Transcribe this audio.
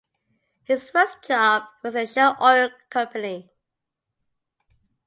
His first job was at Shell Oil Company.